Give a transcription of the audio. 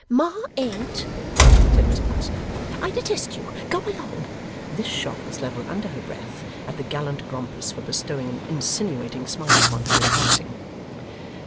'Ma ain't,' said Miss Podsnap. ' I detest you! Go along!' This shot was levelled under her breath at the gallant Grompus for bestowing an insinuating smile upon her in passing.